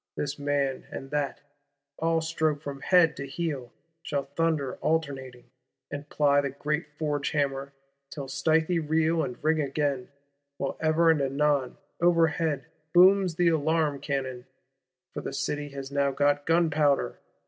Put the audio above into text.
This man and that, all stroke from head to heel, shall thunder alternating, and ply the great forge hammer, till stithy reel and ring again; while ever and anon, overhead, booms the alarm cannon,—for the City has now got gunpowder.